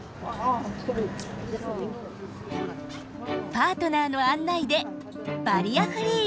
パートナーの案内でバリアフリー！